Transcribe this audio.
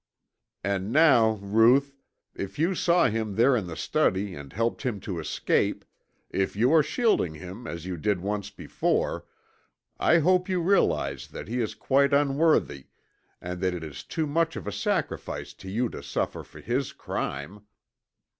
"And now, Ruth, if you saw him there in the study and helped him to escape, if you are shielding him as you did once before, I hope you realize that he is quite unworthy and that it is too much of a sacrifice for you to suffer for his crime."